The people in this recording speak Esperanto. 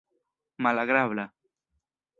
malagrabla